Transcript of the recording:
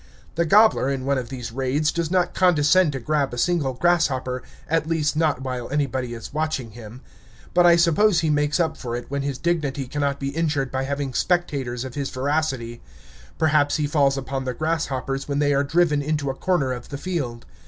The gobbler, in one of these raids, does not condescend to grab a single grasshopper, at least, not while anybody is watching him. But I suppose he makes up for it when his dignity cannot be injured by having spectators of his voracity; perhaps he falls upon the grasshoppers when they are driven into a corner of the field.